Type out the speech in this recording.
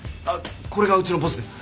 これがうちのボスです。